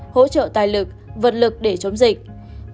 hỗ trợ tài lực vận lực để chống dịch